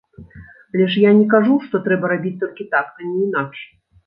Але ж я не кажу, што трэба рабіць толькі так, а не інакш!